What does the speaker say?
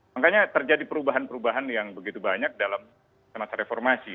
makanya terjadi perubahan perubahan yang begitu banyak dalam masa reformasi